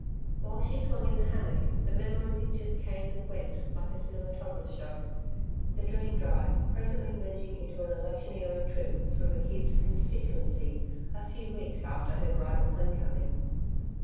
While she swung in the hammock the memory pictures came and went like a cinematograph show the dream drive presently merging into an electioneering trip through McKeith's constituency a few weeks after her bridal homecoming.